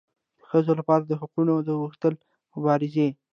د ښځو لپاره د حقونو د غوښتلو مبارزې